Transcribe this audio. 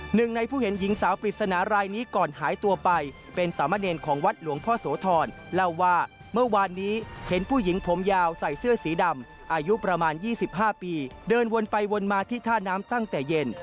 หนึ่งในผู้เห็นหญิงสาวปริศนารายนี้ก่อนหายตัวไปเป็นสามเณรของวัดหลวงพ่อโสธรเล่าว่าเมื่อวานนี้เห็นผู้หญิงผมยาวใส่เสื้อสีดำอายุประมาณ๒๕ปีเดินวนไปวนมาที่ท่าน้ำตั้งแต่เย็น